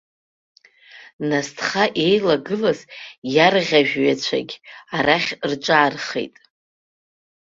Насҭха еилагылаз иарӷьажәҩацәагь арахь рҿаархеит.